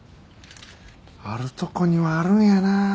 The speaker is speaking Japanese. あるとこにはあるんやなあ。